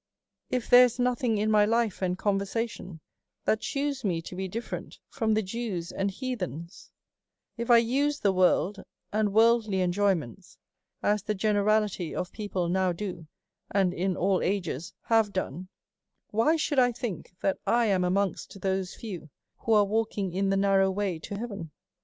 If there is nothing in my life and conversation that DEVOUT AND HOLY LIFE, 23 shews me to be different from the Jews and heathens ; if I use the worlds and worldly enjoyments, as the ge nerality of people now do, and in all ages have done^, why should I think that I am amongst those few who are walking in the narrow way to heaven?